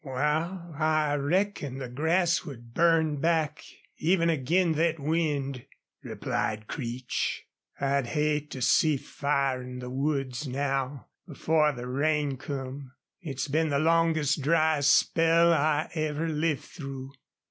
"Wal, I reckon the grass would burn back even ag'in thet wind," replied Creech. "I'd hate to see fire in the woods now before the rains come. It's been the longest, dryest spell I ever lived through.